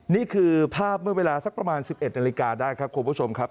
นี่คือภาพเมื่อเวลาสักประมาณ๑๑นาฬิกาได้ครับคุณผู้ชมครับ